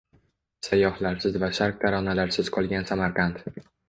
Sayyohlarsiz va Sharq taronalarisiz qolgan Samarqand